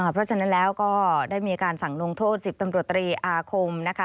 เพราะฉะนั้นแล้วก็ได้มีการสั่งลงโทษ๑๐ตำรวจตรีอาคมนะคะ